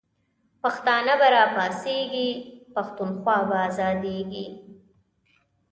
پښتانه به راپاڅیږی، پښتونخوا به آزادیږی